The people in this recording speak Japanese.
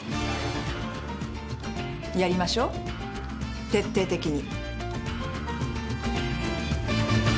やりましょう徹底的に。